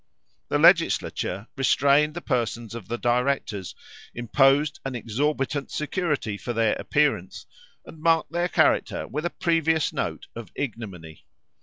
The legislature restrained the persons of the directors, imposed an exorbitant security for their appearance, and marked their character with a previous note of ignominy.